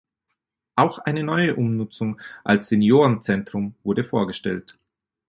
Auch eine neue Umnutzung als Seniorenzentrum wurde vorgestellt.